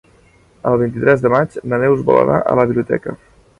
El vint-i-tres de maig na Neus vol anar a la biblioteca.